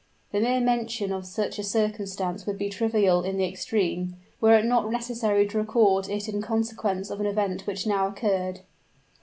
The mere mention of such a circumstance would be trivial in the extreme, were it not necessary to record it in consequence of an event which now occurred.